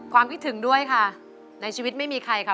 คิดถึงด้วยค่ะในชีวิตไม่มีใครค่ะ